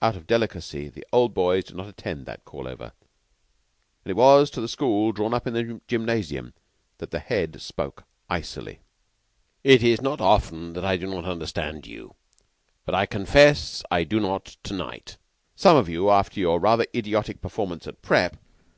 Out of delicacy the Old Boys did not attend that call over; and it was to the school drawn up in the gymnasium that the Head spoke icily. "It is not often that I do not understand you; but I confess I do not to night. Some of you, after your idiotic performances at prep.